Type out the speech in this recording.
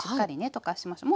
溶かしましょう。